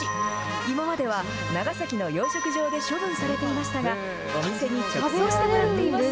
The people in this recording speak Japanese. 今までは長崎の養殖場で処分されていましたが、お店に直送してもらっています。